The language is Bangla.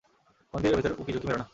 মন্দিরের ভেতরে উঁকিঝুকি মেরো না।